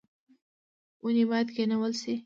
ونې باید کینول شي